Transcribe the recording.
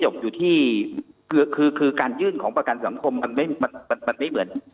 อยู่ที่คือการยื่นของประกันสังคมมันไม่เหมือน